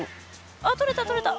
あとれたとれた。